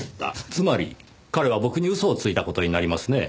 つまり彼は僕に嘘をついた事になりますね。